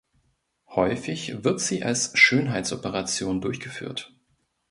Häufig wird sie als Schönheitsoperation durchgeführt.